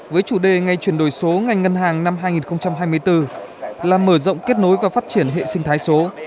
với chủ đề ngay chuyển đổi số ngành ngân hàng năm hai nghìn hai mươi bốn là mở rộng kết nối và phát triển hệ sinh thái số